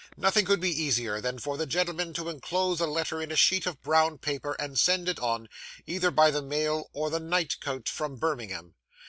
Nothing could be easier than for the gentleman to inclose a letter in a sheet of brown paper, and send it on, either by the mail or the night coach from Birmingham.